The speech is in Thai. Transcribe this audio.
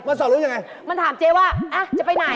มันสอดรู้อย่างไรมันถามเจ๊ว่าจะไปไหน